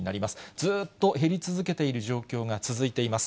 ずーっと減り続けている状況が続いています。